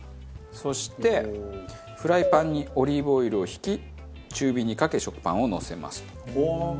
そしてフライパンにオリーブオイルを引き中火にかけ食パンをのせますと。